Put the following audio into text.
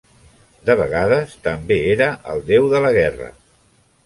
De vegades també era el déu de la guerra.